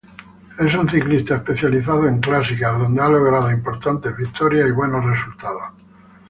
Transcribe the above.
Es un ciclista especializado en clásicas, donde ha logrado importantes victorias y buenos resultados.